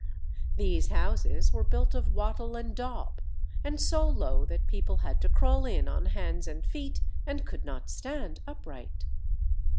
These houses were built of wattle and daub, and so low that people had to crawl in on hands and feet and could not stand upright.